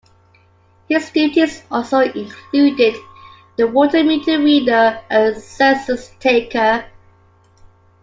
His duties also included the water meter reader and census taker.